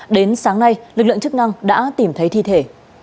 đến sáng nay lực lượng chức năng đã tìm thấy thi thể